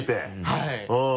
はい。